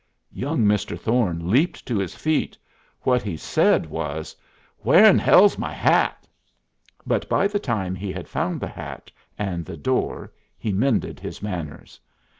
Young Mr. Thorne leaped to his feet. What he said was: "Where'n hell's my hat?" But by the time he had found the hat and the door he mended his manners.